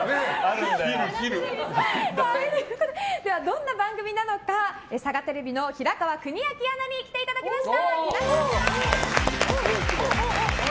どんな番組なのかサガテレビの平川邦明アナに来ていただきました。